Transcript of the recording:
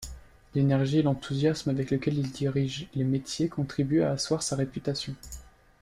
L’énergie et l’enthousiasme avec lesquels il dirige les métiers contribue à asseoir sa réputation.